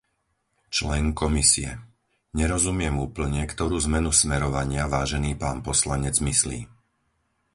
člen Komisie. - Nerozumiem úplne, ktorú zmenu smerovania vážený pán poslanec myslí.